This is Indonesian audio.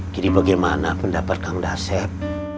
jadi bagaimana pendapat kang dasep